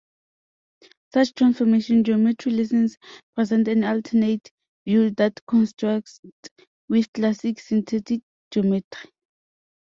Such transformation geometry lessons present an alternate view that contrasts with classical synthetic geometry.